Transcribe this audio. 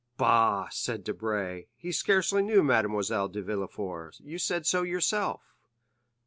"Bah," said Debray; "he scarcely knew Mademoiselle de Villefort; you said so yourself."